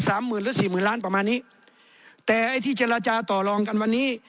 หมื่นหรือสี่หมื่นล้านประมาณนี้แต่ไอ้ที่เจรจาต่อลองกันวันนี้